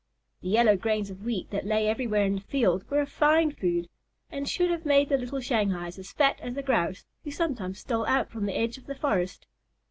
The yellow grains of wheat that lay everywhere in the field were fine food, and should have made the little Shanghais as fat as the Grouse who sometimes stole out from the edge of the forest.